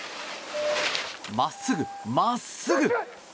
真っすぐ、真っすぐ。